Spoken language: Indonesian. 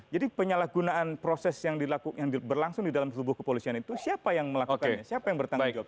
jadi penyalahgunaan proses yang berlangsung di dalam selubuh kepolisian itu siapa yang melakukannya siapa yang bertanggung jawab